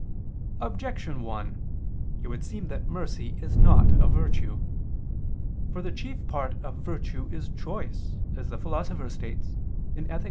Objection 1: It would seem that mercy is not a virtue. For the chief part of virtue is choice as the Philosopher states (Ethic.